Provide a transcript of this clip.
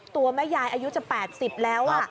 ตัวแม่ยายอายุจะ๘๐แล้ว